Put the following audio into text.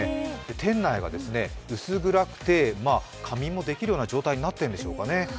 店内は薄暗くて仮眠もできる状態になっているんでしょうかね